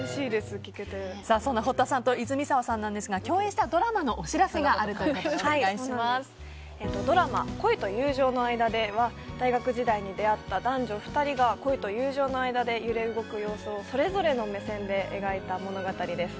そんな堀田さんと泉澤さんですがドラマ「恋と友情のあいだで」は大学時代に出会った男女２人が恋と友情の間で揺れ動く様子をそれぞれの目線で描いた物語です。